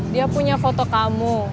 dia punya foto kamu